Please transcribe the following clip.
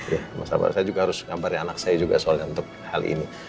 ya sama sama saya juga harus ngabarin anak saya juga soalnya untuk hal ini